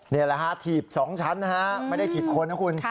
นี่แหละถีบ๒ชั้นนะครับไม่ได้ถีบคนนะคุณ